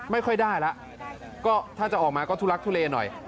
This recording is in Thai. ไม่ค่อยได้แล้วก็ถ้าจะออกมาก็ทุลักทุเลหน่อย